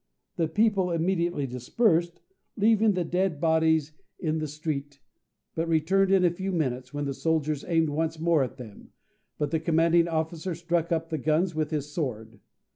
The people immediately dispersed, leaving the dead bodies in the street, but returned in a few minutes; when the soldiers aimed once more at them, but the commanding officer struck up the guns with his sword.